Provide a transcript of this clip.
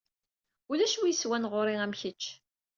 Ulac wi yeswan ɣur-i am kečč.